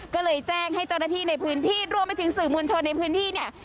ก็เลยแจ้งให้เจ้าหน้าที่ในพื้นที่รวมไปถึงสื่อมวลชนในพื้นที่เนี่ย